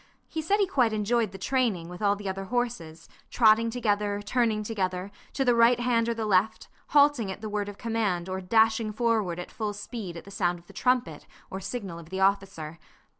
He said he quite enjoyed the training with all the other horses, trotting together, turning together, to the right hand or the left, halting at the word of command, or dashing forward at full speed at the sound of the trumpet or signal of the officer.